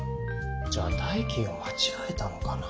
じゃあ代金をまちがえたのかな？